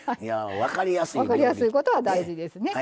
分かりやすいことは大事ですね。